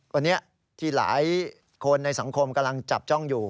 วันนี้ที่หลายคนในสังคมกำลังจับจ้องอยู่